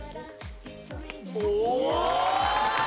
・お！